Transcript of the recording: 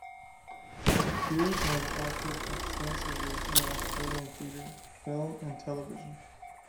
Hughes has acted extensively in Australian theatre, film and television.